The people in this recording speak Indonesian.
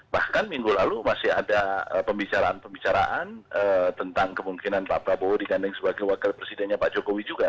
bahkan minggu lalu masih ada pembicaraan pembicaraan tentang kemungkinan pak prabowo digandeng sebagai wakil presidennya pak jokowi juga